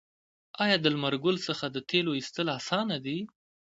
آیا د لمر ګل څخه د تیلو ایستل اسانه دي؟